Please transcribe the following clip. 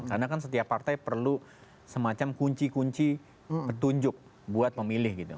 karena kan setiap partai perlu semacam kunci kunci petunjuk buat pemilih gitu